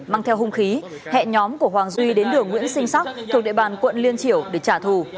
mang theo hung khí hẹn nhóm của hoàng duy đến đường nguyễn sinh sắc thuộc địa bàn quận liên triểu để trả thù